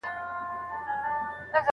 په هوا کي پاچهي وه د بازانو